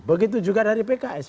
begitu juga dari pks